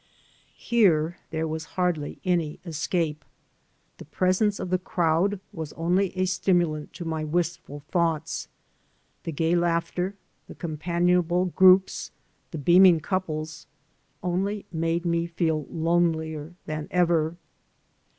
Here there was hardly any escape. The presence of the crowd was only a stimidant to my wistful thoughts. The gay laughter, the companionable groups, the beaming couples, only made me feel lonelier than ever.